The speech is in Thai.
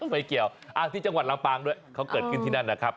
ไม่เกี่ยวที่จังหวัดลำปางด้วยเขาเกิดขึ้นที่นั่นนะครับ